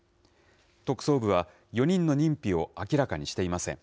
特捜部は４人の認否を明らかにしていません。